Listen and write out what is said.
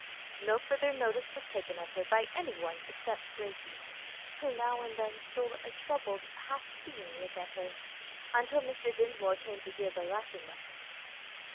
No further notice was taken of her by any one excerpt Gracie, who now and then stole a troubled, half pitying look at her, until Mr Dinsmore came to hear the Latin lessons.